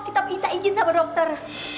kita minta izin sama dokter